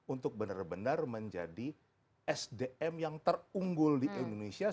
untuk benar benar menjadi sdm yang terunggul di indonesia